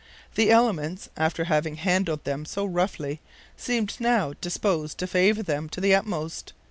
The elements, after having handled them so roughly, seemed now disposed to favor them to the utmost.